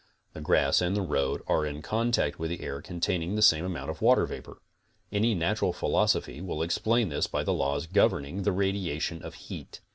The grass and the road are in con tact with air containing the same amount of water vapor. Any Natural Philosophy will explain this by the laws governing the radiation of heat.